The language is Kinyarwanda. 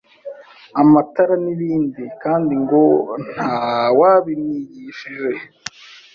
amatara n’ibindi kandi ngo ntawabimwigishije.